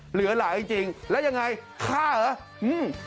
เหลือหลายจริงแล้วยังไงฆ่าเหรออืม